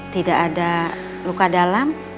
tidak ada luka dalam